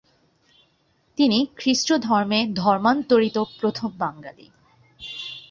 তিনি খ্রিস্ট ধর্মে ধর্মান্তরিত প্রথম বাঙালি।